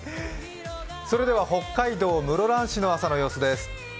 北海道室蘭市の朝の様子です。